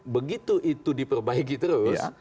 begitu itu diperbaiki terus